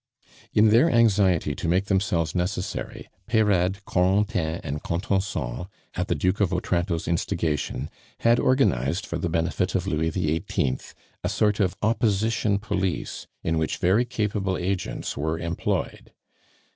In their anxiety to make themselves necessary, Peyrade, Corentin, and Contenson, at the Duke of Otranto's instigation, had organized for the benefit of Louis XVIII. a sort of opposition police in which very capable agents were employed.